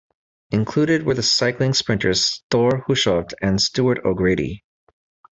Included were the cycling sprinters Thor Hushovd and Stuart O'Grady.